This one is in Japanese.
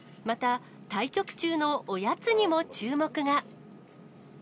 また、対局中のおやつにも注目が。